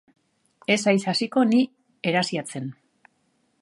Ez haiz hasiko ni erasiatzen!